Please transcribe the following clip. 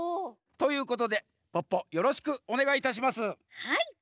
ということでポッポよろしくおねがいいたします。